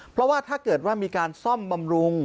เพราะว่าถ้าเกิดว่ามีการซ่อมบำรุง